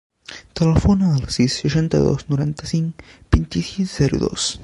Telefona al sis, seixanta-dos, noranta-cinc, vint-i-sis, zero, dos.